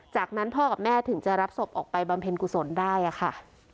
จากนั้นพ่อกับแม่ถึงจะรับศพออกไปบำเพ็ญกุศลได้ค่ะ